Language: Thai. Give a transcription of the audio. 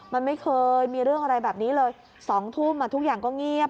มันไม่เคยมีเรื่องอะไรแบบนี้เลย๒ทุ่มทุกอย่างก็เงียบ